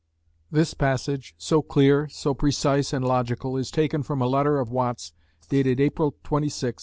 This passage, so clear, so precise, and logical, is taken from a letter of Watt's, dated April 26, 1783.